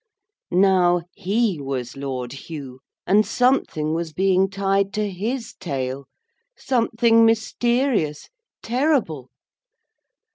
Now he was Lord Hugh, and something was being tied to his tail. Something mysterious, terrible.